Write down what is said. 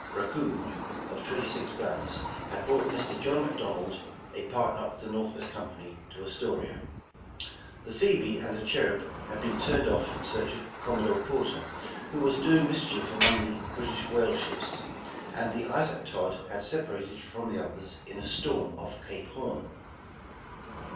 Raccoon, of twenty six guns, had brought Mr. John McDonald, a partner of the Northwest Com pany to Astoria. The Phoebe and the Cherub had been turned off in search of Commodore Porter, who was doing mischief among the British whale ships, and the 222 England's Trophy Isaac Todd had separated from the others in a storm off Cape Horn.